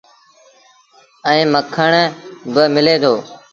ائيٚݩ مکڻ با ملي دو۔